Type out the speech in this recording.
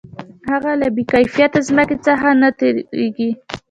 هغه له بې کفایته ځمکې څخه نه تېرېږي